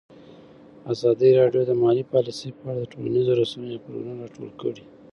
ازادي راډیو د مالي پالیسي په اړه د ټولنیزو رسنیو غبرګونونه راټول کړي.